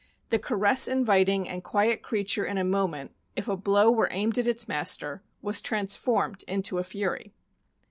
The caress inviting and quiet creature in a moment, if a blow were aimed at its master, was transformed into a fury.